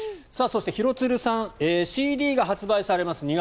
そして廣津留さんＣＤが発売されます